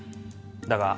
だが。